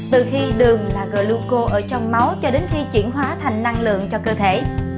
từ khi đường là gluco ở trong máu cho đến khi chuyển hóa thành năng lượng cho cơ thể